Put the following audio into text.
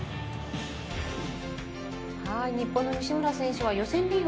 日本の西村選手は予選リーグ